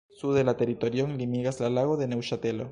Sude la teritorion limigas la "Lago de Neŭŝatelo".